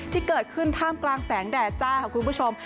ที่เกิดขึ้นท่ามกลางแสงแดดจ้าค่ะคุณผู้ชม